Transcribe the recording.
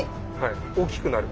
大きくなる。